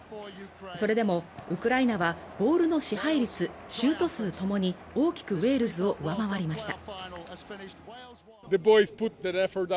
それでもウクライナはボールの支配率シュート数ともに大きくウェールズを上回りました